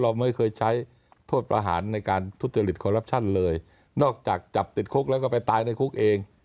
เราไม่เคยใช้โทษประหารในการทุจริตคอรัปชั่นเลยนอกจากจับติดคุกแล้วก็ไปตายในคุกเอง